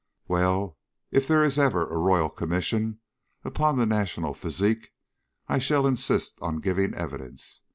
Well, if there is ever a Royal Commission upon the national physique I shall insist on giving evidence.